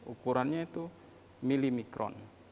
ukurannya itu milimikron